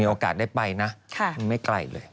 โอกาสได้ไปนะไม่ไกลเลย